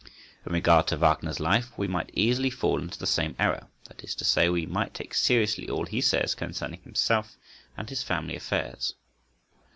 In regard to Wagner's life we might easily fall into the same error—that is to say, we might take seriously all he says concerning himself and his family affairs.